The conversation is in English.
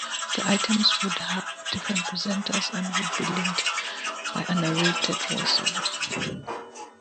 The items would have different presenters, and would be linked by a narrated voiceover.